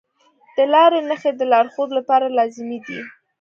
د لارې نښې د لارښود لپاره لازمي دي.